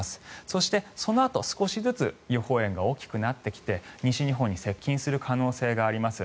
そして、そのあと、少しずつ予報円が大きくなってきて西日本に接近する可能性があります。